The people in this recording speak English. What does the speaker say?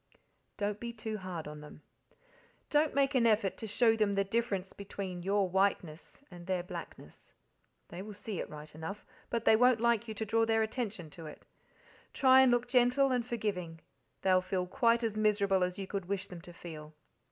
Don't be too hard on them. Don't make an effort to show them the difference between your whiteness and their blackness. They will see it right enough, but they won't like you to draw their attention to it. Try and look gentle and forgiving they'll feel quite as miserable as you could wish them to feel.